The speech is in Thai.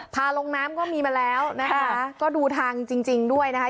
พาลงน้ำก็มีมาแล้วนะคะก็ดูทางจริงจริงด้วยนะคะ